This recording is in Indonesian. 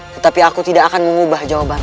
tetapi aku tidak akan mengubah jawaban